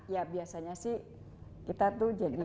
ya biasanya sih kita tuh jadi